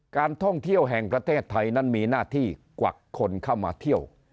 การท่องเที่ยวแห่งประเทศไทยนั้นมีหน้าที่กวักคนเข้ามาเที่ยว